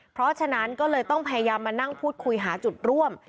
เพราะฉะนั้นก็เลยต้องพยายามมานั่งพูดคุยหาจุดร่วม